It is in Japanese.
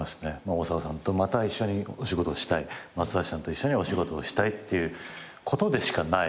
大沢さんとまた一緒にお仕事をしたい松橋さんと一緒にお仕事をしたいっていうことでしかない。